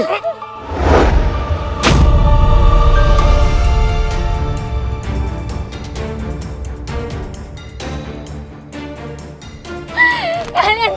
marilah kita ber auditorium